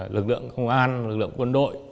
lực lượng công an lực lượng quân đội